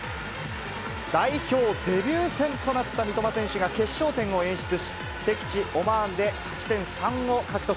代表デビュー戦となった三苫選手が決勝点を演出し、敵地、オマーンで、勝ち点３を獲得。